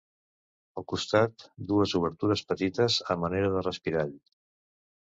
Al costat, dues obertures petites a manera de respirall.